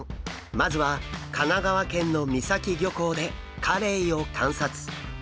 まずは神奈川県の三崎漁港でカレイを観察。